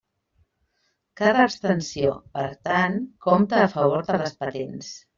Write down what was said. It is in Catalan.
Cada abstenció, per tant, compta a favor de les patents.